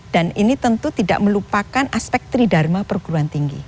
dan ini tentu tidak melupakan aspek tridharma perguruan tinggi